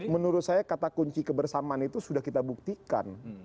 menurut saya kata kunci kebersamaan itu sudah kita buktikan